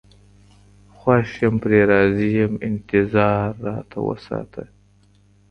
خوښ يم پرې راضي يم انتـظارراتـــه وساته